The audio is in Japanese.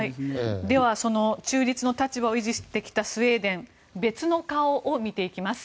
では、その中立の立場を維持してきたスウェーデン別の顔を見ていきます。